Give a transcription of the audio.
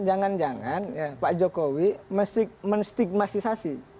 jangan jangan pak jokowi menstigmatisasi